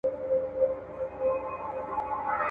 له یوې دیني ډلې سره کرکه خطرناکه ده.